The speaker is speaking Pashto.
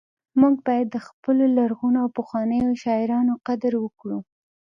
موږ باید د خپلو لرغونو او پخوانیو شاعرانو قدر وکړو